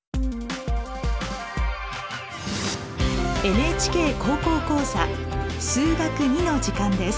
「ＮＨＫ高校講座数学Ⅱ」の時間です。